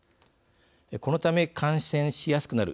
このため感染しやすくなる。